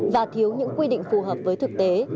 và thiếu những quy định phù hợp với thực tế